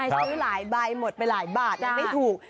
ซื้อหลายใบหมดไปหลายบาทยังไม่ถูก